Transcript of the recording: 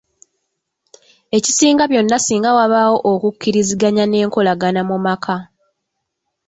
Ekisinga byonna singa wabaawo okukkiriziganya n'enkolagana mu maka.